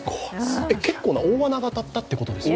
結構な大穴が当たったっていうことですよね。